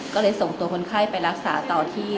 ก็เลยส่งตัวคนไข้ไปรักษาต่อที่